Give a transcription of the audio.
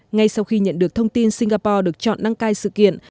ngay sau khi nhận được thông tin singapore được chọn đăng cai sự kiện